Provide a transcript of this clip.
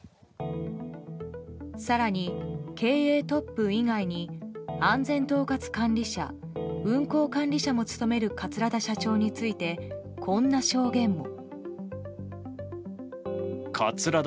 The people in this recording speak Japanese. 更に、経営トップ以外に安全統括管理者運航管理者も務める桂田社長について、こんな証言も。